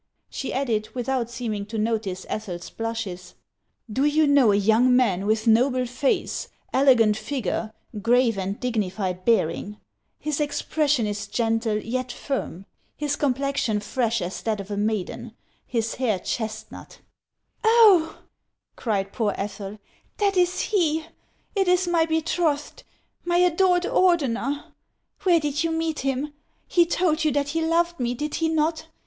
She added, without seeming to notice Ethel's blushes :" Do you know a young man with noble face, elegant figure, grave and dignified bearing ? His expression is gentle, yet firm ; his complexion fresh as that of a maiden ; his hair chestnut." " Oh !" cried poor Ethel, " that is he ; it is my be trothed, my adored Ordener ! Where did you meet him ? He told you that he loved me, did he not